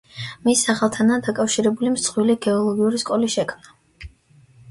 მის სახელთანაა დაკავშირებული მსხვილი გეოლოგიური სკოლის შექმნა.